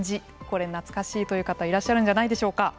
これ、懐かしいという方いらっしゃるんじゃないでしょうか。